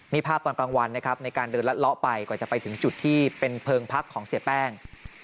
นี่ภาพตอนกลางวันนะครับในการเดินลัดเลาะไปกว่าจะไปถึงจุดที่เป็นเพลิงพักของเสียแป้ง